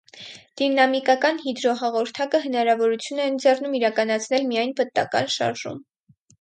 Դինամիկական հիդրոհաղորդակը հնարավորություն է ընձեռում իրականացնել միայն պտտական շարժում։